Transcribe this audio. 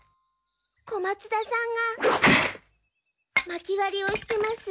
小松田さんがまき割りをしてます。